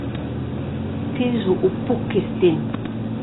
Te a zo ur paourkaezh den.